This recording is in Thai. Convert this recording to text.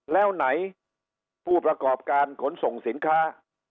แล้วไหนผู้ประกอบการขนส่งสินค้า